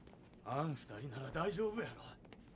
あん二人なら大丈夫やろ。